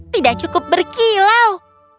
tidak cukup berkilau